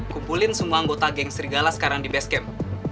kumpulin semua anggota geng serigala sekarang di basecamp